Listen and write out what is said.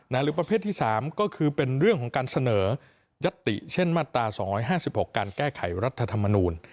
หรือประเภทที่๓ก็คือเป็นเรื่องของการเสนอยัตติเช่นมาตรา๒๕๖การแก้ไขรัฐธรรมนูล